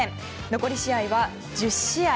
残り試合は１０試合。